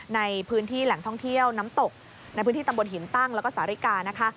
ในพื้นที่แหล่งท่องเที่ยวน้ำตกในพื้นที่ตำบลหินตั้งแล้วก็สาริกานะคะ